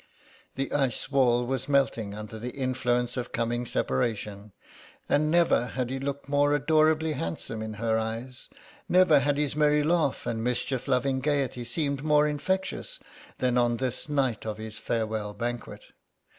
The ice wall was melting under the influence of coming separation, and never had he looked more adorably handsome in her eyes, never had his merry laugh and mischief loving gaiety seemed more infectious than on this night of his farewell banquet.